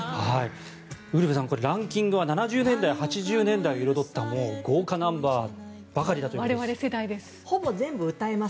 ウルヴェさん、ランキングは７０年代、８０年代を彩った豪華ナンバーばかりだということです。